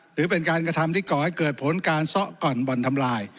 หรือเป็นการกระทำที่ก่อให้เกิดผลการซ่อก่อนบ่อนทำลาย